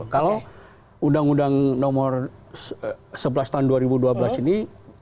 kalau undang undang nomor sebelas tahun dua ribu dua belas ini